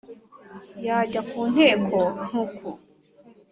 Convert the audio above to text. yajya ku nteko ntuku